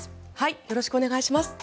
よろしくお願いします。